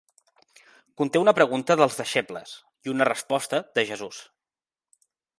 Conté una pregunta dels deixebles i una resposta de Jesús.